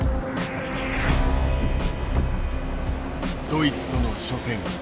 ドイツとの初戦